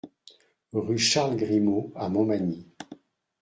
Rue Charles Grimaud à Montmagny